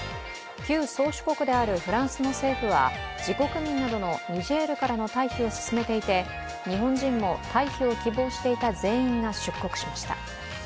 旧宗主国であるフランスの政府は自国民などのニジェールからの退避を進めていて日本人も退避を希望していた全員が出国しました。